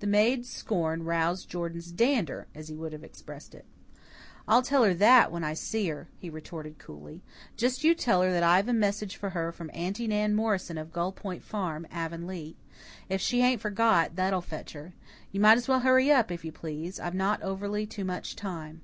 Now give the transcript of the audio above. The maid's scorn roused Jordan's "dander," as he would have expressed it. "I'll tell her that when I see her," he retorted coolly. "Just you tell her that I've a message for her from Aunty Nan Morrison of Gull Point Farm, Avonlea. If she hain't forgot, that'll fetch her. You might as well hurry up, if you please, I've not overly too much time."